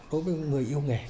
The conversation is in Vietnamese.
đối với người yêu nghề